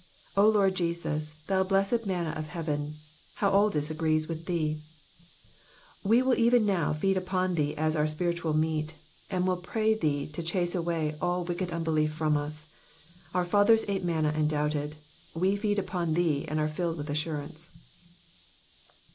O Lord Jesus, thou blessed manna of heaven, how all this agrees with Thee I We will even now feed on Thee as our spiritual meat, and will pray Thee to chase away all wicked unbelief from us. Our fathers ate manna and doubted ; we feed upon Thee and are filled with assurance.